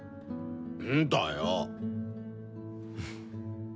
んだよ！